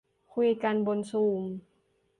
คุยกันบนซูม